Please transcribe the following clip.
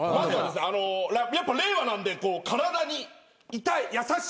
やっぱ令和なんで体に痛い優しい。